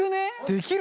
できる？